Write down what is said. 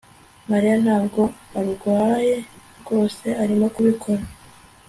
Mariya ntabwo arwaye rwose Arimo kubikora